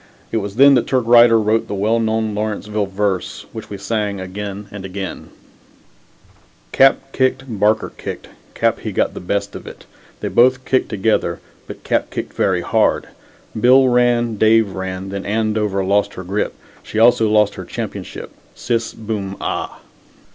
It was then that Turk Righter wrote the well known Lawrenceville verse which we sang again and again: Cap kicked, Barker kicked Cap he got the best of it They both kicked together But Cap kicked very hard Bill ran, Dave ran Then Andover lost her grip She also lost her championship Sis, boom ah!